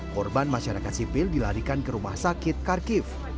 korban masyarakat sipil dilarikan ke rumah sakit kharkiv